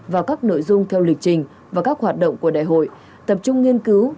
vào các nội dung theo lịch trình và các hoạt động của đại hội tập trung nghiên cứu